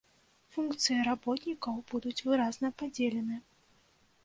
Функцыі работнікаў будуць выразна падзелены.